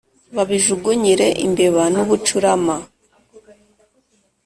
babijugunyire imbeba n ubucurama